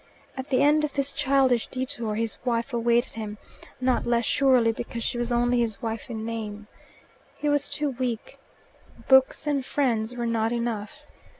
At the end of this childish detour his wife awaited him, not less surely because she was only his wife in name. He was too weak. Books and friends were not enough.